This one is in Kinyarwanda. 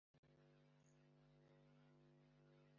utizigeme bisobenuye ko heri byinshi